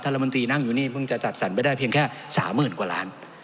รัฐมนตรีนั่งอยู่นี่เพิ่งจะจัดสรรไปได้เพียงแค่๓๐๐๐กว่าล้าน